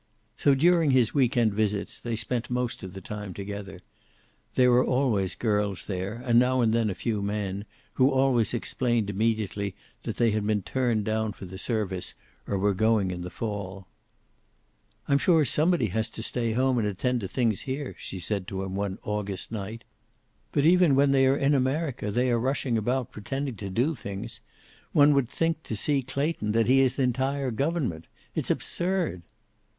So, during his week end visits, they spent most of the time together. There were always girls there, and now and then a few men, who always explained immediately that they had been turned down for the service, or were going in the fall. "I'm sure somebody has to stay home and attend to things here," she said to him one August night. "But even when they are in America, they are rushing about, pretending to do things. One would think to see Clayton that he is the entire government. It's absurd."